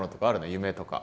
夢とか。